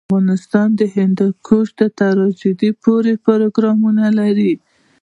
افغانستان د هندوکش د ترویج لپاره پروګرامونه لري.